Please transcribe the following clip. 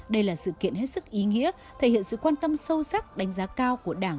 đây là sự kiện hết sức ý nghĩa thể hiện sự quan tâm sâu sắc đánh giá cao của đảng